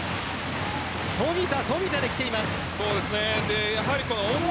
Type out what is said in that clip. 富田富田できています。